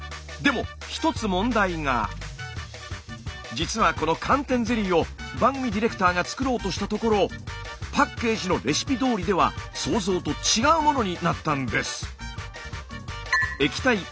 実はこの寒天ゼリーを番組ディレクターが作ろうとしたところパッケージのレシピどおりでは想像と違うものになったんです。